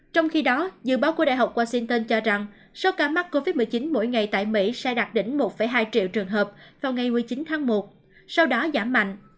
trong khi đó dự báo của đại học washington cho rằng số ca mắc covid một mươi chín mỗi ngày tại mỹ sẽ đạt đỉnh một hai triệu trường hợp vào ngày một mươi chín tháng một sau đó giảm mạnh